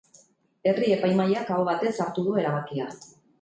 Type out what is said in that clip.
Herri-epaimahaiak aho batez hartu du erabakia.